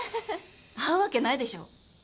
会うわけないでしょ。